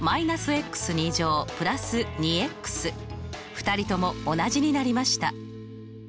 ２人とも同じになりました。